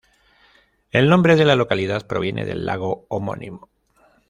El nombre de la localidad proviene del lago homónimo.